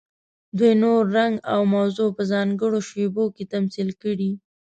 دوی نور، رنګ او موضوع په ځانګړو شیبو کې تمثیل کړي.